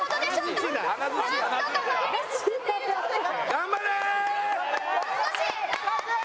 頑張れ！